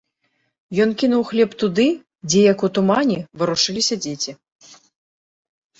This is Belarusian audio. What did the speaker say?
Ён кінуў хлеб туды, дзе, як у тумане, варушыліся дзеці.